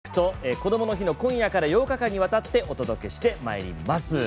こどもの日の今夜から８日間にわたってお届けしてまいります。